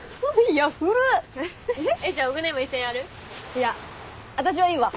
いや私はいいわ。